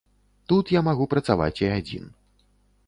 Тут я магу працаваць і адзін.